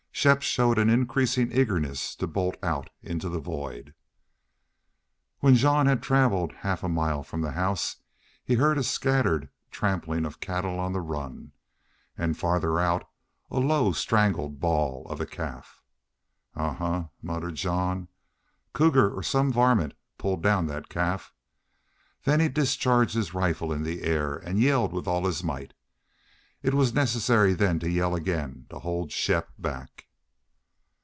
Shepp showed an increasing eagerness to bolt out into the void. When Jean had traveled half a mile from the house he heard a scattered trampling of cattle on the run, and farther out a low strangled bawl of a calf. "Ahuh!" muttered Jean. "Cougar or some varmint pulled down that calf." Then he discharged his rifle in the air and yelled with all his might. It was necessary then to yell again to hold Shepp back.